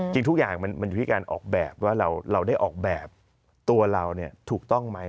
จริงทุกอย่างมันอยู่ที่การออกแบบว่าเราได้ออกแบบตัวเราถูกต้องไหม